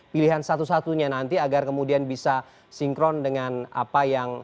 pilihan satu satunya nanti agar kemudian bisa sinkron dengan apa yang